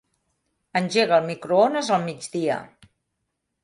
Engega el microones al migdia.